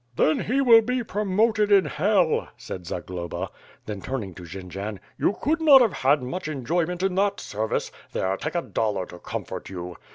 "Then he will be promoted in hell," said Zagloba. Then turning to Jendzian, "You could not have had much en joyment in that service. There, take a dollar to comfort you."